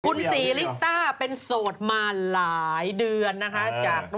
คุณศรีริต้าเป็นโสดมาหลายเดือนนะคะ